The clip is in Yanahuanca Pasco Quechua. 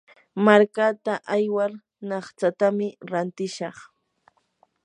markaata aywar naqtsami rantishaq.